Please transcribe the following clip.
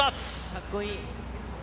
かっこいい。